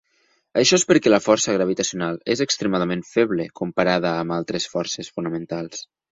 Això és perquè la força gravitacional és extremadament feble comparada amb altres forces fonamentals.